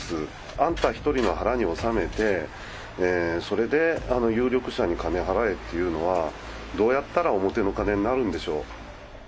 あんた１人の腹に収めて、それで有力者に金払えっていうのは、どうやったら表の金になるんでしょう。